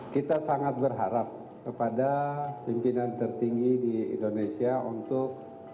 kita sangat berharap kepada pimpinan tertinggi di indonesia untuk